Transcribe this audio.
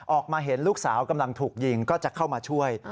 ออกมาเห็นลูกสาวกำลังถูกยิงก็จะเข้ามาช่วย